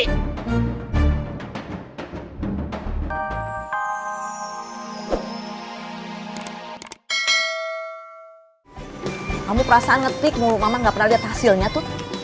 kamu perasaan ngetik mau mama nggak pernah lihat hasilnya tuh